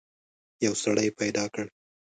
یو سړی پیدا کړ.